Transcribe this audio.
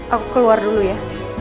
aku keluar dulu ya